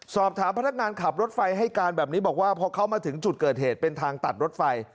สอบถามพนักงานขับรถไฟให้การแบบนี้บอกว่าพอเขามาถึงจุดเกิดเหตุเป็นทางตัดรถไฟ